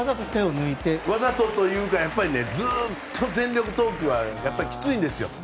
わざとというか、ずっと全力投球はきついんですよ。